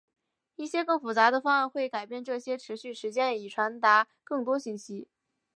一些更复杂的方案会改变这些持续时间以传达更多信息。